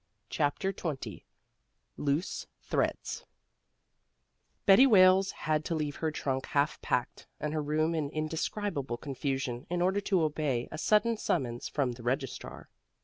CHAPTER XX LOOSE THREADS Betty Wales had to leave her trunk half packed and her room in indescribable confusion in order to obey a sudden summons from the registrar.